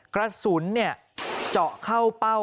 กระสุนเจาะเข้าเป้าที่ซ้อมยิงปืน